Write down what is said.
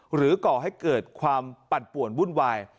ก่อให้เกิดความปั่นป่วนวุ่นวาย